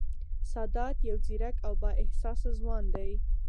سادات یو ځېرک او با احساسه ځوان دی